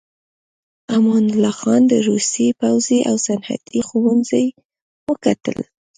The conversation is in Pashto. امان الله خان د روسيې پوځي او صنعتي ښوونځي وکتل.